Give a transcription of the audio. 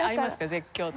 絶叫と。